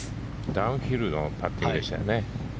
ダウンヒルのパッティングでしたね。